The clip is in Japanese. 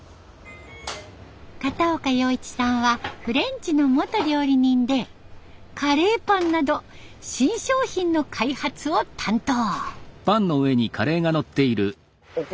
片岡洋一さんはフレンチの元料理人でカレーパンなど新商品の開発を担当。